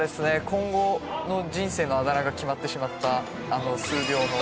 今後の人生のあだ名が決まってしまったあの数秒の。